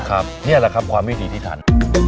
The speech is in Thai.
นี่แหละครับความวิธีที่ทัน